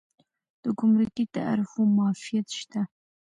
د ګمرکي تعرفو معافیت شته؟